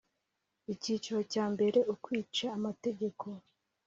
Icyiciro cya mbere Ukwica amategeko